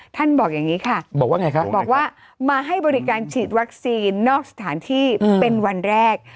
บอกอย่างนี้ค่ะบอกว่าไงคะบอกว่ามาให้บริการฉีดวัคซีนนอกสถานที่เป็นวันแรก